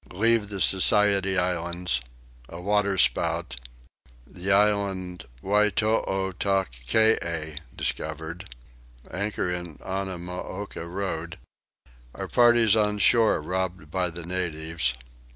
Leave the Society Islands. A Water spout. The Island Whytootackee discovered. Anchor in Annamooka Road. Our Parties on Shore robbed by the Natives.